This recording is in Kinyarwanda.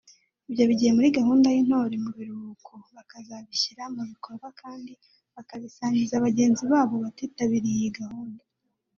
ibyo bigiye muri gahunda y’Intore mu Biruhuko bakazabishyira mu bikorwa kandi bakabisangiza bagenzi babo batitabiriye iyi gahunda